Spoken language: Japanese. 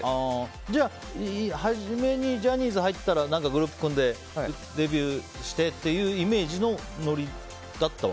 じゃあ、初めにジャニーズに入ったのはグループ組んでデビューしてっていうイメージのノリだった訳